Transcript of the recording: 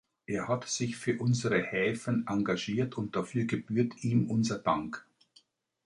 Er hat sich für unsere Häfen engagiert und dafür gebührt ihm unser Dank.